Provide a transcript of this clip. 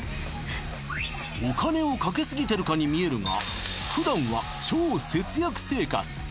お金をかけすぎてるかに見えるが普段は超節約生活